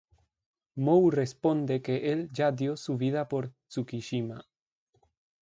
Moe responde que el ya dio su vida por Tsukishima.